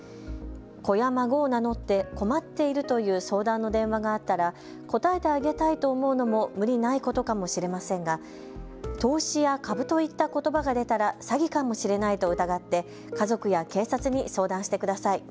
子や孫を名乗って困っているという相談の電話があったら応えてあげたいと思うのも無理ないことかもしれませんが投資や株といったことばが出たら詐欺かもしれないと疑って家族や警察に相談してください。